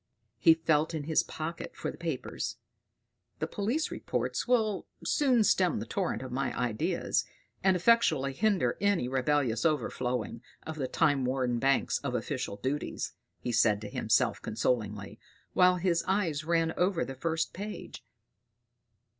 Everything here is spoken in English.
He felt in his pocket for the papers. "These police reports will soon stem the torrent of my ideas, and effectually hinder any rebellious overflowing of the time worn banks of official duties"; he said to himself consolingly, while his eye ran over the first page.